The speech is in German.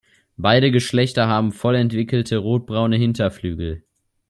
Beide Geschlechter haben voll entwickelte, rotbraune Hinterflügel.